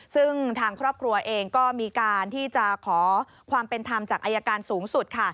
ซึ่งทางครอบครัวเองก็มีการที่จะขอความเป็นธรรมจากอายการสูงสุดค่ะ